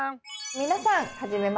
皆さんはじめまして。